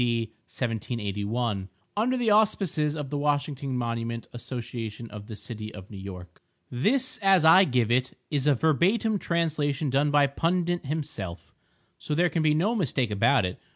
D. 1781 Under the Auspices of the Washington Monument Association of the city of New York This, as I give it, is a verbatim translation done by Pundit himself, so there can be no mistake about it.